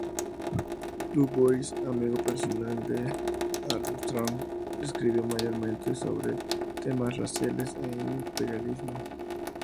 Du Bois, amigo personal de Armstrong, escribió mayormente sobre temas raciales e imperialismo.